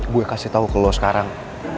gue kasih tau ke lo sekarang